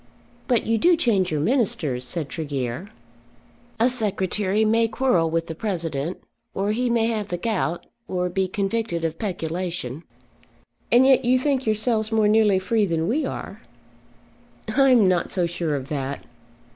"But you do change your ministers," said Tregear. "A secretary may quarrel with the President, or he may have the gout, or be convicted of peculation." "And yet you think yourselves more nearly free than we are." "I am not so sure of that.